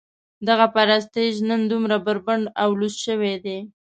دغه پرستیژ نن دومره بربنډ او لوڅ شوی دی.